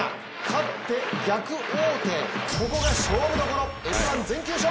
勝って逆王手、ここが勝負所。